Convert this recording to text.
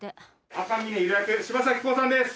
赤峰ゆら役柴咲コウさんです。